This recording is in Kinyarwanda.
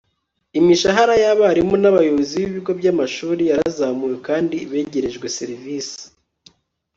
imishahara y'abarimu n'abayobozi b'ibigo by'amashuri yarazamuwe kandi begerejwe serivisi